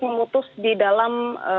memutus di dalam